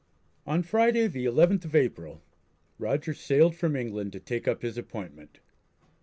On Friday the 11th of April, Rogers sailed from England to take up his appointment.